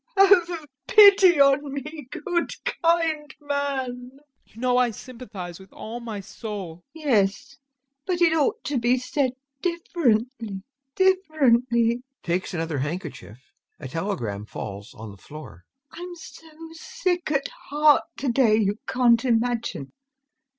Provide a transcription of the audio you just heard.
[Weeps] Have pity on me, good, kind man. TROFIMOV. You know I sympathize with all my soul. LUBOV. Yes, but it ought to be said differently, differently.... [Takes another handkerchief, a telegram falls on the floor] I'm so sick at heart to day, you can't imagine.